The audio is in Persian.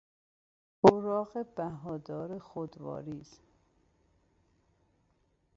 اوراق بهادار خود واریز